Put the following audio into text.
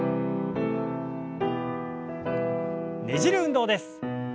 ねじる運動です。